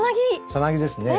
さなぎですね。